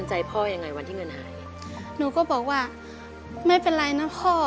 ใจพ่อยังไงวันที่เงินหายหนูก็บอกว่าไม่เป็นไรนะพ่อ